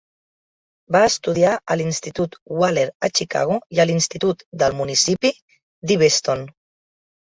Va estudiar a l'institut Waller a Chicago i a l'institut del municipi d'Evaston.